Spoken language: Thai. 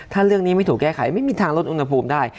ถ้าเรื่องนี้ไม่ถูกแก้ไขไม่มีทางลดอุณหภูมิได้